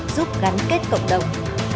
giúp gắn kết cộng đồng